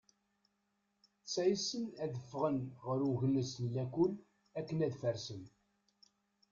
Ttaysen ad d-ffɣen ɣer ugnes n lakul akken ad farsen.